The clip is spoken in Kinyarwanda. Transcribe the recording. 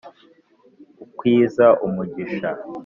Ukwiza umugisha.